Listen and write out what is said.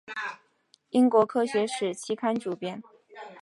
英国科学史期刊主编。